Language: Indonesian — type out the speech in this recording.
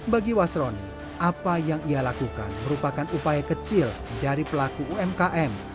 bagi wasroni apa yang ia lakukan merupakan upaya kecil dari pelaku umkm